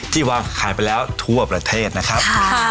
วางขายไปแล้วทั่วประเทศนะครับ